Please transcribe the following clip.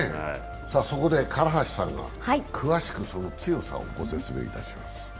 そこで唐橋さんが詳しくその強さをご説明します。